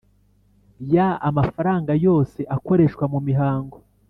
ya amafaranga yose akoreshwa mu mihango